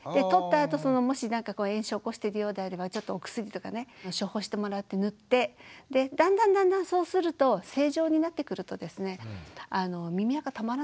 取ったあともしなんか炎症を起こしてるようであればちょっとお薬とかね処方してもらって塗ってでだんだんだんだんそうするとへえ！